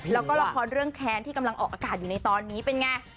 แล้วก็ละครเรื่องแค้นที่กำลังออกอากาศอยู่ในตอนนี้เป็นไง